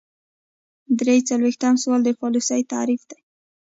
درې څلویښتم سوال د پالیسۍ تعریف دی.